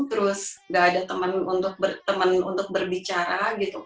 terus nggak ada teman untuk berbicara